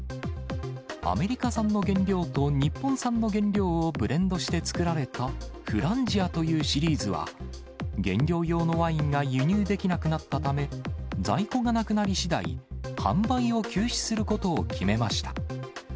アメリカ産の原料と日本産の原料をブレンドして作られたフランジアというシリーズは、原料用のワインが輸入できなくなったため、在庫がなくなりしだい、販売を休止することを決めました。